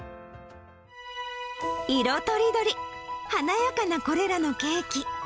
色とりどり、華やかなこれらのケーキ。